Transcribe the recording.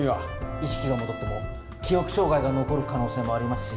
意識が戻っても記憶障害が残る可能性もありますし。